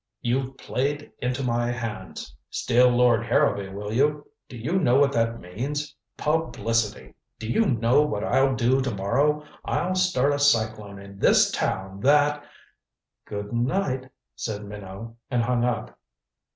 You've played into my hands. Steal Lord Harrowby, will you? Do you know what that means? Publicity. Do you know what I'll do to morrow? I'll start a cyclone in this town that " "Good night," said Minot, and hung up.